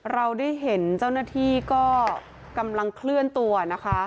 เราได้เห็นเจ้าหน้าที่ก็กำลังเคลื่อนตัวนะคะ